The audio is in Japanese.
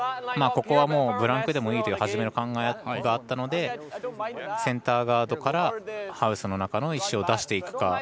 ここは、ブランクでもいいという初めの考えがあったのでセンターガードからハウスの中の石を出していくか